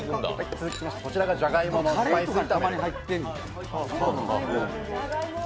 続きまして、こちらがじゃがいものスパイス炒め。